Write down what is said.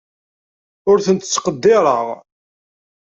Ur tent-ttqeddireɣ.